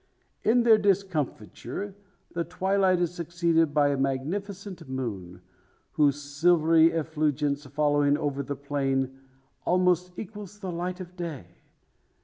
To their discomfiture, the twilight is succeeded by a magnificent moon, whose silvery effulgence falling over the plain almost equals the light of day.